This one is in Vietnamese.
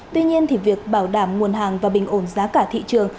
tuy nhiên việc bảo đảm nguồn hàng và bình ổn giá cả thị trường